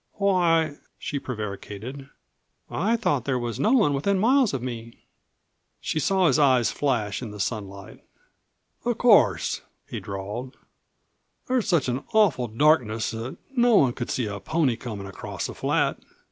"Why," she prevaricated, "I thought there was no one within miles of me!" She saw his eyes flash in the sunlight. "Of course," he drawled, "there's such an awful darkness that no one could see a pony comin' across the flat.